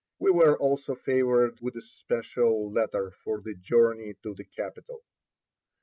We were also favored with a special letter for the journey to the capital.